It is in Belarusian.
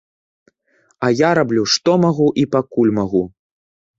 А я раблю што магу і пакуль магу.